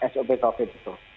sop covid itu